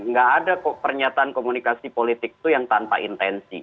nggak ada kok pernyataan komunikasi politik itu yang tanpa intensi